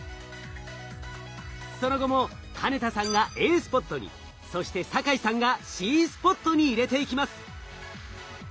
その後も金田さんがＡスポットにそして酒井さんがＣスポットに入れていきます。